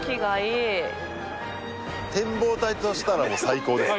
展望台としたらもう最高ですね。